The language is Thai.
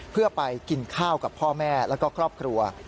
เพื่อไปกินข้าวกับพ่อแม่แล้วก็ครอบครัว